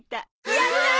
やったー！